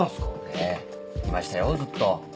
ええいましたよずっと。